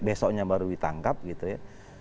besoknya baru ditangkap gitu ya